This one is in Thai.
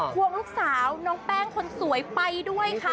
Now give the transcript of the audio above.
ควงลูกสาวน้องแป้งคนสวยไปด้วยค่ะ